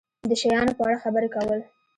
د شیانو په اړه خبرې کول